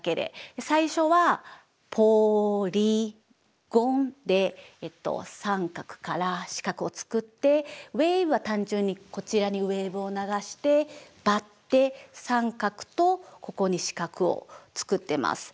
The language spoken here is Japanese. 最初は「ポリゴン」で三角から四角を作って「ウェイヴ」は単純にこちらにウエーブを流してパッて三角とここに四角を作ってます。